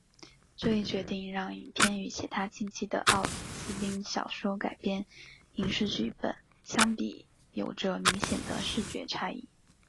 这一决定让影片与其他近期的奥斯汀小说改编影视剧本相比有着明显的视觉差异。